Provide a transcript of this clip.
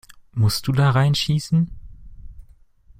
Musst du da rein schießen?